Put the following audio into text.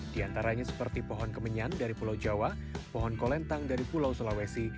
di antaranya seperti pohon kemenyan dari pulau jawa pohon kolentang dari pulau sulawesi